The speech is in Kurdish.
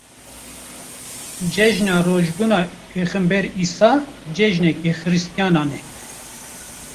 Cejina Rojbûna Pêxember Îsa cejineke xiristiyanan e.